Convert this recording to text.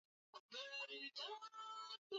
labda anasema labda anataka waunge serikali